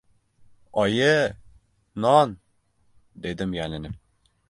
— Oyi-i, non! — dedim yalinib.